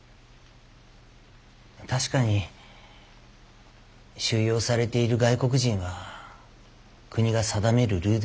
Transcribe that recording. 確かに収容されている外国人は国が定めるルールを破った。